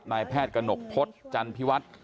นายแพทย์กระหนกพลตจันทร์พิวัตร